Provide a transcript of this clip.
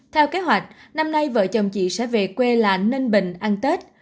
theo kế hoạch năm nay vợ chồng chị sẽ về quê lạ ninh bình ăn tết